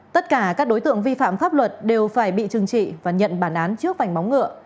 tất cả các đối tượng vi phạm pháp luật đều phải bị trừng trị và nhận bản án trước vành móng ngựa